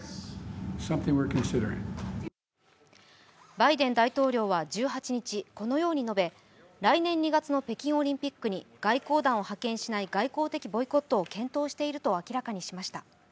バイデン大統領は１８日、このように述べ来年２月の北京オリンピックに外交団を派遣しない外交的ボイコットを検討していると明らかにしました。